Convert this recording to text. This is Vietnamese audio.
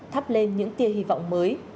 thắp lên những tia hy vọng mới